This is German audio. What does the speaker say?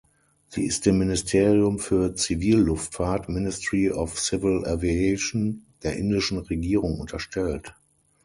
Sie ist dem Ministerium für Zivilluftfahrt "(Ministry of Civil Aviation)" der indischen Regierung unterstellt.